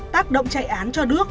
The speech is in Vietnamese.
tác động chạy án cho đức